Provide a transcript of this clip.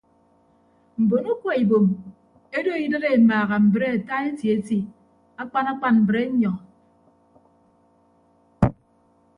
Mbon akwa ibom edo idịd emaaha mbre ata eti eti akpan akpan mbrenyọ.